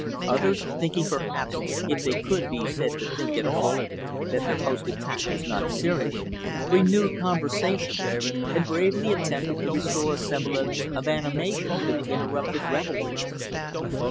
Others, thinking, perhaps, if they could be said to think at all, that their host's attack was not serious, renewed conversations and bravely attempted to restore a semblance of animation to the interrupted revelries.